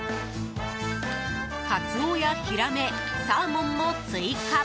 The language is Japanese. カツオやヒラメ、サーモンも追加。